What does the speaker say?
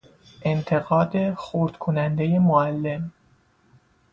انتقاد خرد کنندهی معلم